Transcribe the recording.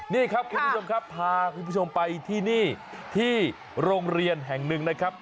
นี่ครับคุณผู้ชมครับพาคุณผู้ชมไปที่นี่ที่โรงเรียนแห่งหนึ่งนะครับ